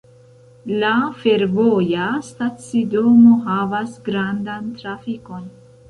La fervoja stacidomo havas grandan trafikon.